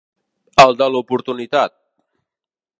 El de l'oportunitat.